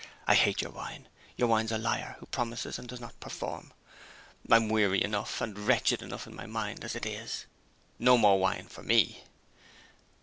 I hate your wine! Your wine's a liar, who promises and doesn't perform! I'm weary enough, and wretched enough in my mind, as it is. No more wine for me!"